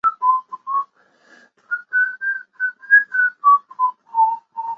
生活于热带海域及亚热带的浅海。